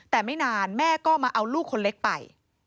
แต่ไม่นานแม่ก็มาเอาลูกคนเล็กไป